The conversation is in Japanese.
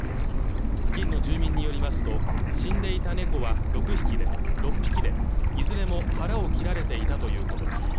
付近の住民によりますと死んでいた猫は６匹でいずれも腹を切られていたということです